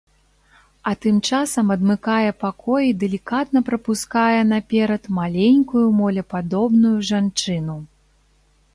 А тым часам адмыкае пакой і далікатна прапускае наперад маленькую молепадобную жанчыну.